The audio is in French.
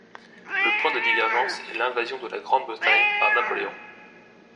Le point de divergence est l’invasion de la Grande-Bretagne par Napoléon.